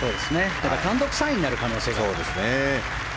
だから単独３位になる可能性がある。